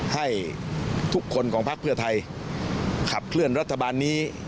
ให้ทุกคนของพักเพื่อไทยขับเคลื่อนรัฐบาลนี้